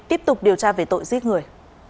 tiếp tục điều tra về tội giết người